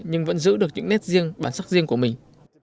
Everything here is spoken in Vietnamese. nhưng vẫn giữ được những nét riêng bản sắc riêng của mình